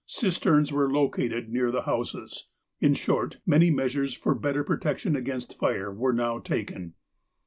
Cisterns were located near the houses. In short, many measures for better protection against fire were now taken.